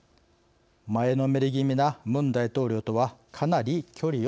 前のめり気味なムン大統領とはかなり距離を置いています。